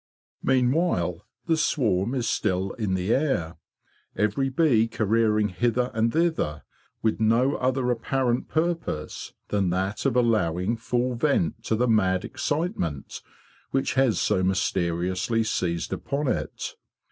Meanwhile, the swarm is still in the air, every bee careering hither and thither with no other apparent purpose than that of allowing full vent to the mad excitement which has so mysteriously seized upon it.